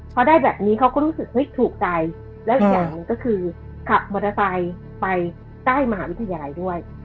พอได้แบบนี้เขาก็รู้สึกเฮ้ยถูกใจแล้วอีกอย่างหนึ่งก็คือขับมอเตอร์ไซค์ไปใต้มหาวิทยาลัยด้วย